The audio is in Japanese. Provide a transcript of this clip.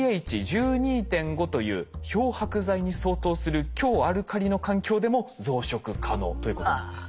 ｐＨ１２．５という漂白剤に相当する強アルカリの環境でも増殖可能ということなんです。